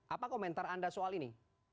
apa komentar anda soal ini